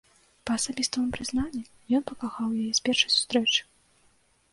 Па асабістаму прызнанню, ён пакахаў яе з першай сустрэчы.